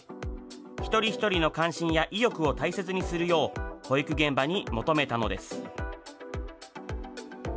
一人一人の関心や意欲を大切にするよう、保育現場に求めたのです。